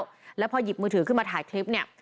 เป็นสื่อมนชนแล้วแล้วพอหยิบมือถือขึ้นมาถ่ายคลิปเนี่ย